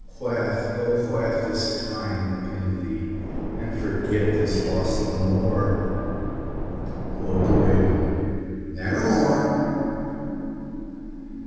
Quaff, oh quaff this kind nepenthé, and forget this lost Lenore!" Quoth the Raven, "Nevermore."